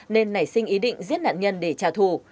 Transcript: nên nảy sinh ý định giết nạn nhân để trả thù